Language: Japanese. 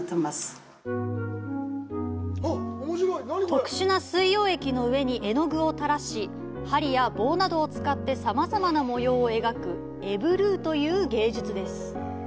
特殊な水溶液の上に絵の具を垂らし針や棒などを使ってさまざまな模様を描く、エブルという芸術です。